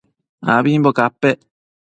abimbo capec